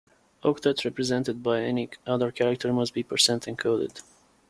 Octets represented by any other character must be percent-encoded.